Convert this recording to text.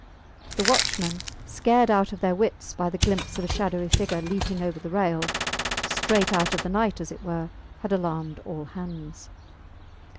The watchmen, scared out of their wits by the glimpse of a shadowy figure leaping over the rail, straight out of the night as it were, had alarmed all hands.